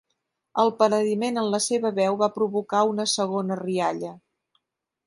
El penediment en la seva veu va provocar una segona rialla.